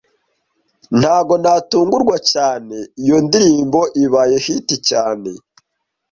Ntago natungurwa cyane iyo ndirimbo ibaye hit cyane